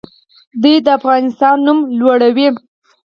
دوی د افغانستان نوم لوړوي.